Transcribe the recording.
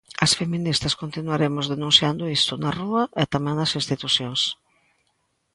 As feministas continuaremos denunciando isto, na rúa e tamén nas institucións.